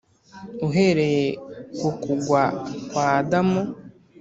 Uhereye ku kugwa kwa Adamu